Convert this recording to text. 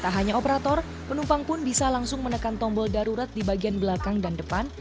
tak hanya operator penumpang pun bisa langsung menekan tombol darurat di bagian belakang dan depan